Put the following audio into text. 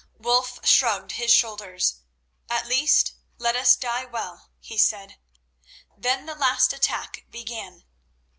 Wulf shrugged his shoulders. "At least, let us die well," he said. Then the last attack began.